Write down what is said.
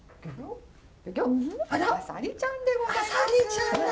あさりちゃんでございます。